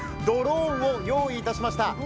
ドローンを用意いたしました。